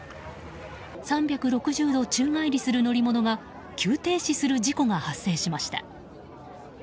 ３６０度宙返りする乗り物が急停止する事故が発生しました。